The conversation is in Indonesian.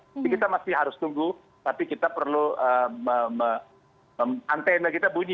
jadi kita masih harus tunggu tapi kita perlu antena kita bunyi